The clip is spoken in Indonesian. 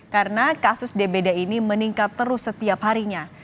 karena kasus dbd ini meningkat terus setiap harinya